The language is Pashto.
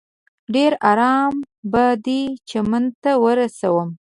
ډېر ارام به دې چمن ته ورسوم.